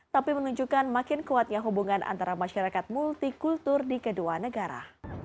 tapi menunjukkan makin kuatnya hubungan antara masyarakat multikultur di kedua negara